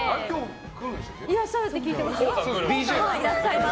いらっしゃるって聞いてます。